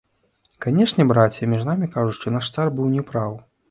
Канешне, браце, між намі кажучы, наш цар быў не праў.